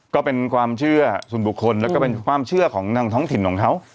ก็เป็นความเชื่อส่วนบุคคลแล้วก็เป็นความเชื่อของทางท้องถิ่นของเขา